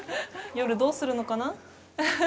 夜どうするのかな？